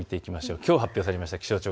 きょう発表されました。